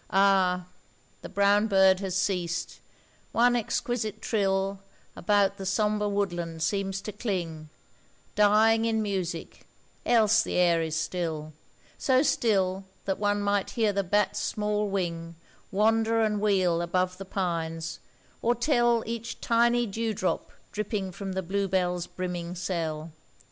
Ah! the brown bird has ceased: one exquisite trill About the sombre woodland seems to cling Dying in music, else the air is still, So still that one might hear the bat's small wing Wander and wheel above the pines, or tell Each tiny dew drop dripping from the bluebell's brimming cell.